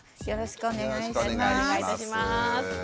よろしくお願いします。